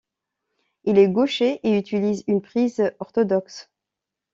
Il est gaucher et utilise une prise orthodoxe.